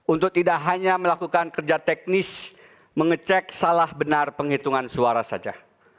untuk tidak hanya melakukan kerja teknis mengecek salah benar penghitungan suara saja